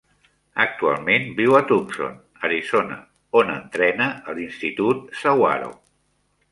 Actualment viu a Tucson, Arizona, on entrena a l'institut Sahuaro.